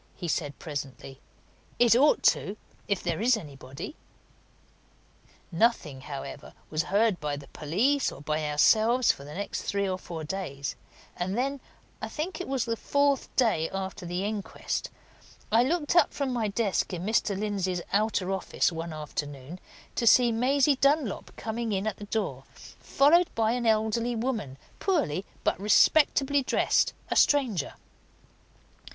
he said, presently. "It ought to! if there is anybody." Nothing, however, was heard by the police or by ourselves for the next three or four days; and then I think it was the fourth day after the inquest I looked up from my desk in Mr. Lindsey's outer office one afternoon to see Maisie Dunlop coming in at the door, followed by an elderly woman, poorly but respectably dressed, a stranger.